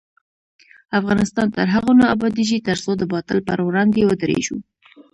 افغانستان تر هغو نه ابادیږي، ترڅو د باطل پر وړاندې ودریږو.